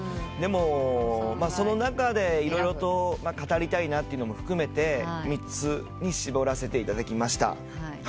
でもその中で色々と語りたいなというのも含めて３つに絞らせていただきました。